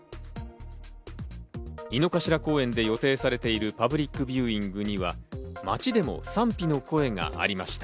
井の頭公園で予定されているパブリックビューイングには、街でも賛否の声がありました。